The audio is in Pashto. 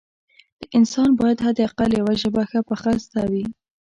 د انسان باید حد اقل یوه ژبه ښه پخه زده وي